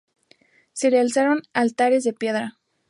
Se le alzaron altares de piedra.